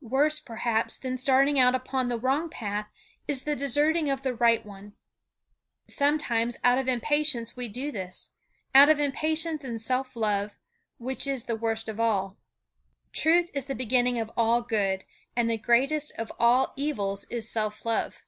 Worse, perhaps, than starting out upon the wrong path, is the deserting of the right one. Sometimes out of impatience we do this; out of impatience and self love, which is the worst of all. "Truth is the beginning of all good, and the greatest of all evils is self love."